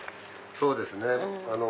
そうですね。